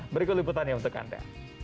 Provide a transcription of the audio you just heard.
beri keliputannya untuk anda